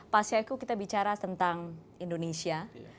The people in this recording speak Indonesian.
pak syaiqo kita bicara tentang indonesia